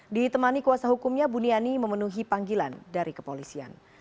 ditemani kuasa hukumnya buniani memenuhi panggilan dari kepolisian